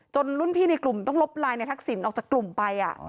รุ่นพี่ในกลุ่มต้องลบไลน์ในทักษิณออกจากกลุ่มไป